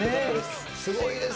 すごいです。